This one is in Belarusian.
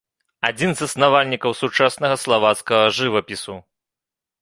Адзін з заснавальнікаў сучаснага славацкага жывапісу.